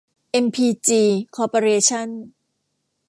เอ็มพีจี คอร์ปอเรชั่น